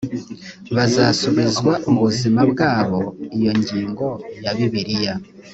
bazasubizwa ubuzima bwabo iyo nyigisho ya bibiliya